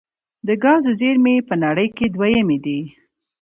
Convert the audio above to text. د ګازو زیرمې یې په نړۍ کې دویمې دي.